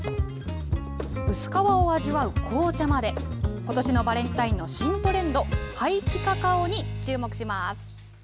薄皮を味わう紅茶まで、ことしのバレンタインの新トレンド、廃棄カカオに注目します。